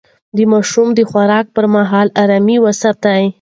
د ماشوم د خوراک پر مهال ارامي وساتئ.